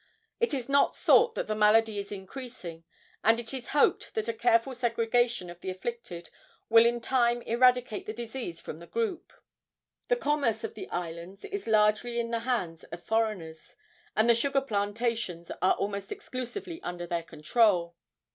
It is not thought that the malady is increasing, and it is hoped that a careful segregation of the afflicted will in time eradicate the disease from the group. The commerce of the islands is largely in the hands of foreigners, and the sugar plantations are almost exclusively under their control.